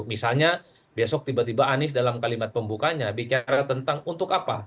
misalnya besok tiba tiba anies dalam kalimat pembukanya bicara tentang untuk apa